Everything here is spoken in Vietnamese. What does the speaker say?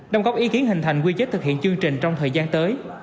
đồng góp ý kiến hình thành quy chế thực hiện chương trình trong thời gian tới